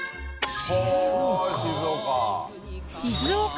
静岡。